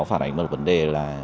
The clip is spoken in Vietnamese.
phản ánh một vấn đề là